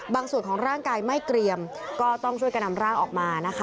ส่วนของร่างกายไม่เกรียมก็ต้องช่วยกันนำร่างออกมานะคะ